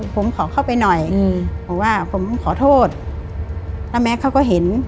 ผมขอเข้าไปหน่อยอืมบอกว่าผมขอโทษแล้วแม็กซเขาก็เห็น